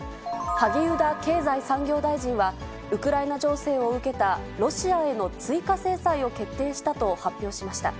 萩生田経済産業大臣は、ウクライナ情勢を受けたロシアへの追加制裁を決定したと発表しました。